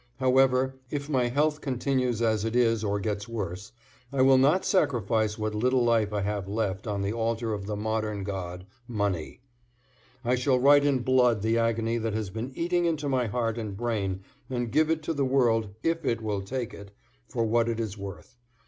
However, if my health continues as it is or gets worse, I will not sacrifice what little life I have left on the altar of the modern god money. I shall write in blood the agony that has been eating into my heart and brain and give it to the world =if it will take it= for what it is worth.